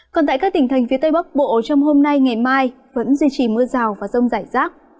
còn tại các tỉnh thành phía tây bắc bộ trong hôm nay ngày mai vẫn duy trì mưa rào và rông rải rác